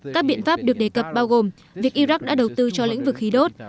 các biện pháp được đề cập bao gồm việc iraq đã đầu tư cho lĩnh vực khí đốt